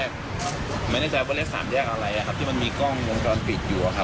เขาว่ากลับหนีไปเลยนะฮะ